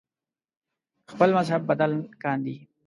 خپل مذهب بدل کاندي